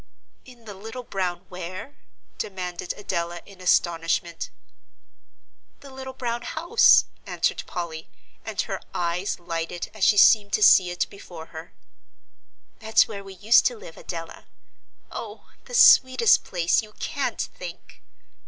"In the little brown where?" demanded Adela in astonishment. "The little brown house," answered Polly, and her eyes lightened as she seemed to see it before her. "That's where we used to live, Adela oh, the sweetest place, you can't think!"